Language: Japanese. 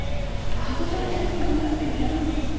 ハコ長のお子さんがもうすぐ生まれるんです。